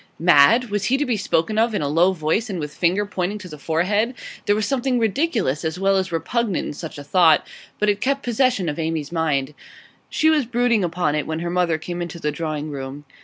Mad? Was he to be spoken of in a low voice, and with finger pointing to the forehead? There was something ridiculous, as well as repugnant, in such a thought; but it kept possession of Amy's mind. She was brooding upon it when her mother came into the drawing room.